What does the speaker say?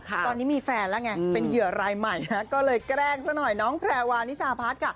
ตอนนี้มีแฟนแล้วไงเป็นเหยื่อรายใหม่ก็เลยแกล้งซะหน่อยน้องแพรวานิชาพัฒน์ค่ะ